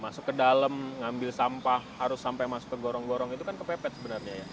masuk ke dalam ngambil sampah harus sampai masuk ke gorong gorong itu kan kepepet sebenarnya ya